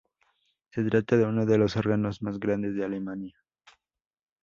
Se trata de uno de los órganos más grandes de Alemania.